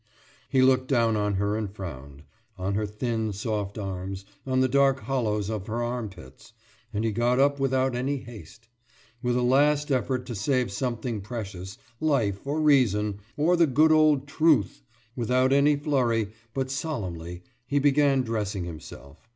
He looked down on her and frowned on her thin soft arms, on the dark hollows of her armpits; and he got up without any haste. With a last effort to save something precious life or reason, or the good old Truth without any flurry, but solemnly, he began dressing himself.